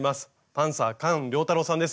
パンサー菅良太郎さんです。